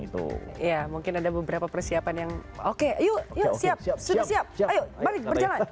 iya mungkin ada beberapa persiapan yang oke yuk siap sudah siap ayo balik berjalan